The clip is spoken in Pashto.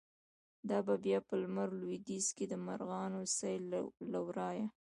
“دا به بیا په لمر لویدو کی، د مرغانو سیل له ورایه